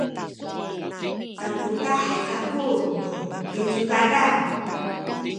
taputah kaku nu picudadan